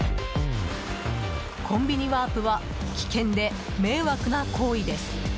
コンビニワープは危険で迷惑な行為です。